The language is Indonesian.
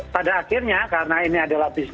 pada akhirnya karena ini adalah bisnis